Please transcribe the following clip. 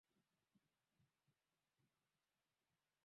Tunakaa kwa wiki mbili.